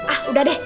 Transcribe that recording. ah udah deh